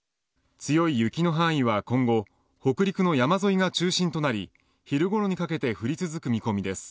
強い雪の範囲は今後北陸の山沿いが中心となり昼ごろにかけて降り続く見込みです。